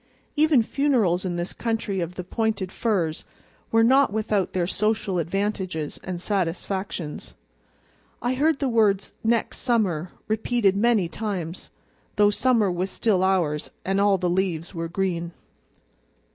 Even funerals in this country of the pointed firs were not without their social advantages and satisfactions. I heard the words "next summer" repeated many times, though summer was still ours and all the leaves were green.